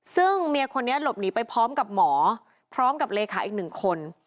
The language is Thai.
ซึ่งเมียคนนี้หลบหนีไปพร้อมกับหมอพร้อมกับเลขาอีกหนึ่งคน